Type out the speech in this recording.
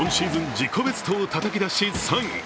自己ベストをたたき出し３位。